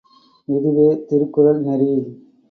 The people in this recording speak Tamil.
இதுவே திருக்குறள் நெறி!